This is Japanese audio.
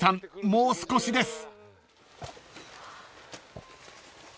もう少しです］